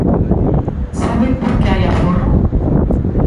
¿Sabe por que hai aforro?